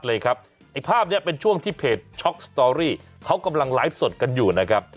ไอ้ภาพนี้เป็นช่วงที่เพจช็อกสตอรี่เขากำลังไลฟ์สดกันอยู่นะครับ